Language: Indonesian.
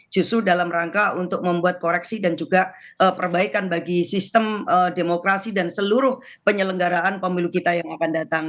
justru dalam rangka untuk membuat koreksi dan juga perbaikan bagi sistem demokrasi dan seluruh penyelenggaraan pemilu kita yang akan datang